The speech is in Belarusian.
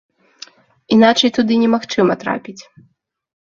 Іначай туды немагчыма трапіць.